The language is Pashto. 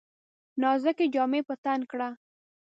نازکي جامې په تن کړه !